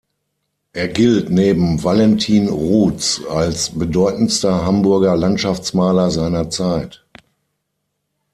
Er gilt neben Valentin Ruths als bedeutendster Hamburger Landschaftsmaler seiner Zeit.